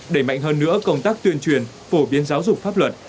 đẩy mạnh hơn nữa công tác tuyên truyền phổ biến giáo dục pháp luật